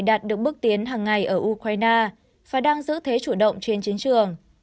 đạt được bước tiến hàng ngày ở ukraine và đang giữ thế chủ động trên chiến trường